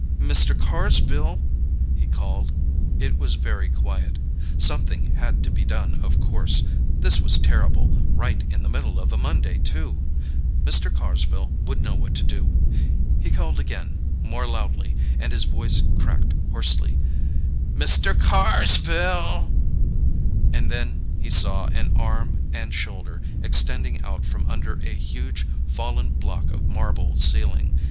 "Mr. Carsville," he called. It was very quiet. Something had to be done, of course. This was terrible, right in the middle of a Monday, too. Mr. Carsville would know what to do. He called again, more loudly, and his voice cracked hoarsely, "Mr. Carrrrsville!" And then he saw an arm and shoulder extending out from under a huge fallen block of marble ceiling.